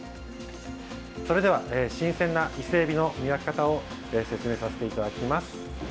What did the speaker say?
それでは新鮮な伊勢えびの見分け方を説明させていただきます。